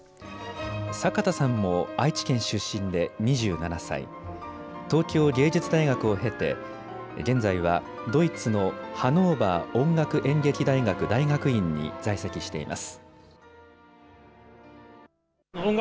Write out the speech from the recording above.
阪田さんも愛知県出身で２７歳、東京藝術大学を経て現在はドイツのハノーバー音楽演劇大学大学院に在籍しています。